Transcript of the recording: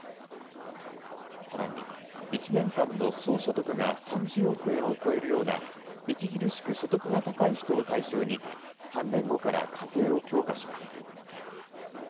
さらに、１年間の総所得が３０億円を超えるような著しく所得が高い人を対象に、３年後から課税を強化します。